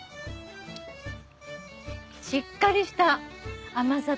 しっかりした甘さと。